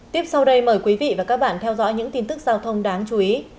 tiếp sau đây mời quý vị và các bạn theo dõi những tin tức giao thông đáng chú ý